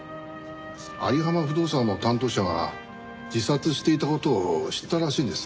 有浜不動産の担当者が自殺していた事を知ったらしいんです。